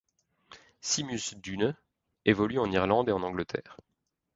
Seamus Dunne évolue en Irlande et en Angleterre.